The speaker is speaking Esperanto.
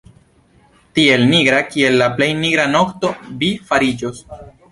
Tiel nigra, kiel la plej nigra nokto vi fariĝos!".